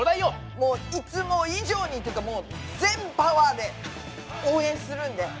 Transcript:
もういつも以上にっていうかもう全パワーで応援するんで！